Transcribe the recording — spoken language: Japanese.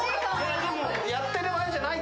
やってる場合じゃないって。